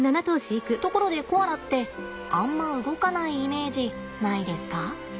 ところでコアラってあんま動かないイメージないですか？